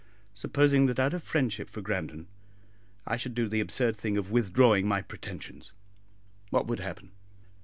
"Supposing that out of friendship for Grandon I should do the absurd thing of withdrawing my pretensions, what would happen?"